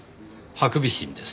ハクビシンです。